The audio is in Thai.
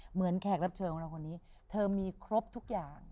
แขกรับเชิญของเราคนนี้เธอมีครบทุกอย่าง